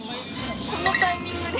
こんなタイミングで。